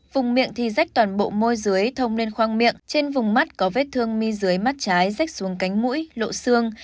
vùng miệng thì rách toàn bộ môi dưới thông lên khoang miệng trên vùng mắt có vết thương mi dưới mắt trái rách xuống cánh mũi lộ xương